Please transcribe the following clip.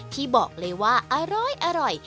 ที่บอกเลยว่าอร้อย